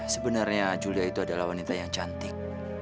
sebenarnya julia itu adalah wanita yang cantik